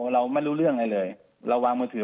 เราไม่รู้เรื่องอะไรเลยเราวางมือถือ